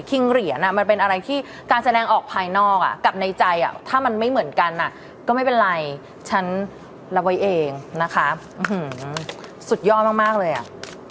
เหรียญมันเป็นอะไรที่การแสดงออกภายนอกกับในใจถ้ามันไม่เหมือนกันก็ไม่เป็นไรฉันรับไว้เองนะคะสุดยอดมากเลยอ่ะ